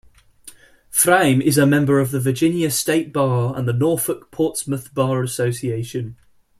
Fraim is a member of the Virginia State Bar and the Norfolk-Portsmouth Bar Association.